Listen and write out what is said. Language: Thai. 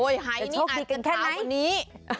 จะโชคดีกันแค่ไหนโอ้ยหายนี้อาจจะขาวกว่านี้